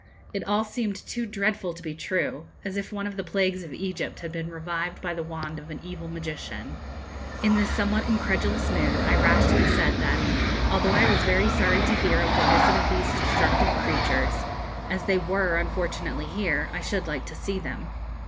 It all seemed too dreadful to be true as if one of the plagues of Egypt had been revived by the wand of an evil magician. In this somewhat incredulous mood I rashly said that, although I was very sorry to hear of the visit of these destructive creatures, as they were unfortunately here, I should like to see them.